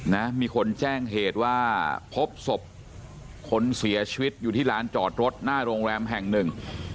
นะมีคนแจ้งเหตุว่าพบศพคนเสียชีวิตอยู่ที่ร้านจอดรถหน้าโรงแรมแห่งหนึ่ง